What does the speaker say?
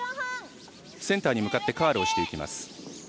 センターに向かってカールしていきます。